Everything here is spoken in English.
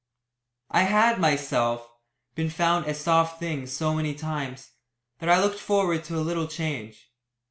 I had, myself, been found a "soft thing" so many times, that I looked forward to a little change.